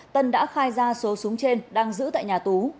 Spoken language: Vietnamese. tân đã khai ra số súng trên đang giữ tại nhà tú